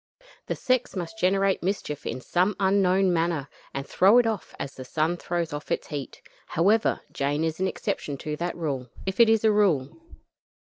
The sex must generate mischief in some unknown manner, and throw it off, as the sun throws off its heat. However, Jane is an exception to that rule if it is a rule.